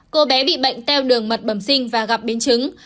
cô bé bị bệnh teo đường mật bẩm sinh và gặp biến chứng